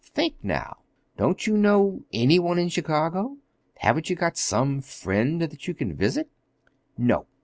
Think, now. Don't you know any one in Chicago? Haven't you got some friend that you can visit?" "No!"